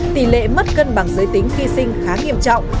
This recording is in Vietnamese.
tỷ lệ mất cân bằng giới tính khi sinh khá nghiêm trọng